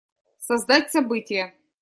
Создать событие.